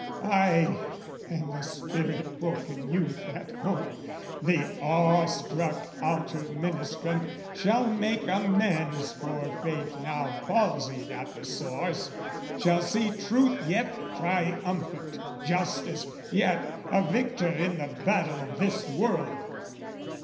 Ay, and the spirit broken youth at home, The awe struck altar ministrant, shall make Amends for faith now palsied at the source, Shall see truth yet triumphant, justice yet A victor in the battle of this world!